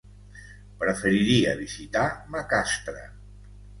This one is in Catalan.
Preferiria visitar Macastre.